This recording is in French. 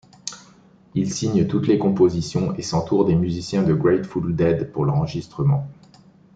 Il signe toutes les compositions et s'entoure des musiciens de Grateful Dead pour l'enregistrement.